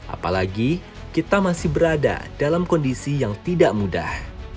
apalagi kita masih berada dalam kondisi yang tidak mudah